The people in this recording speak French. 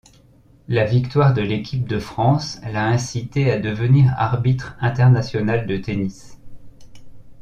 La victoire de l'équipe de France l'a incité à devenir arbitre international de tennis.